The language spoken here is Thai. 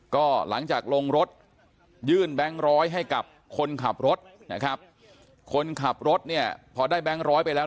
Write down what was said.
ก็หลังจากลงรถยื่นแบงค์ร้อยให้กับคนขับรถนะครับคนขับรถเนี่ยพอได้แบงค์ร้อยไปแล้ว